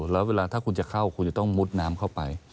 แล้วเวลาถ้าคุณจะเข้าคุณจะต้องมุดน้ำเข้าไป